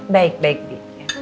baik baik di